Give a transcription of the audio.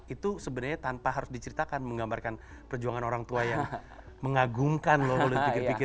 itu sebenarnya tanpa harus diceritakan menggambarkan perjuangan orang tua yang mengagumkan pikir pikir